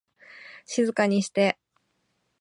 静かにして